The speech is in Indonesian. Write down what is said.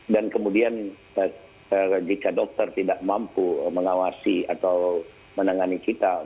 dan kemudian jika dokter tidak mampu mengawasi atau menengani kita